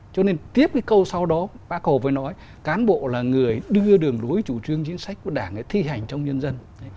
cho nên tiếp cái câu sau đó bác hồ vừa nói cán bộ là người đưa đường lối chủ trương chính sách của đảng thi hành trong nhân dân